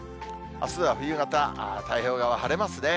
あすは冬型、太平洋側晴れますね。